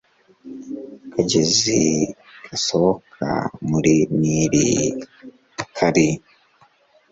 kagezi gasohoka muri Nili kari